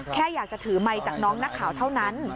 แค่อยากจะถือไมค์จากน้องนักข่าวเท่านั้น